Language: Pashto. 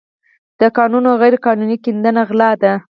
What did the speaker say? د کانونو غیرقانوني کیندنه غلا ده.